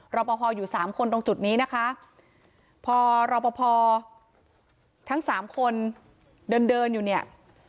รอปภอยู่สามคนตรงจุดนี้นะคะพอรอปภทั้งสามคนเดินเดินอยู่เนี่ย